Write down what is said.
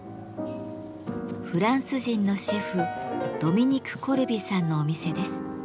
フランス人のシェフドミニク・コルビさんのお店です。